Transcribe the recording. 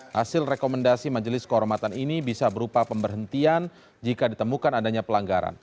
hasil rekomendasi majelis kehormatan ini bisa berupa pemberhentian jika ditemukan adanya pelanggaran